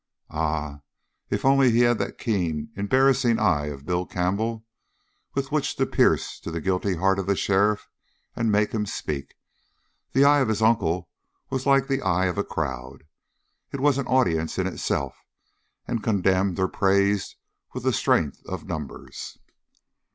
Ah, if only he had that keen, embarrassing eye of Bill Campbell with which to pierce to the guilty heart of the sheriff and make him speak! The eye of his uncle was like the eye of a crowd. It was an audience in itself and condemned or praised with the strength of numbers.